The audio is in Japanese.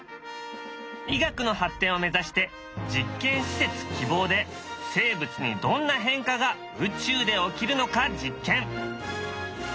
医学の発展を目指して実験施設「きぼう」で生物にどんな変化が宇宙で起きるのか実験。